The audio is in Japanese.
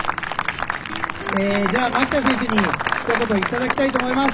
えじゃあ牧田選手にひと言頂きたいと思います。